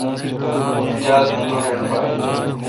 جہاز می دو ڈنڈ پہ این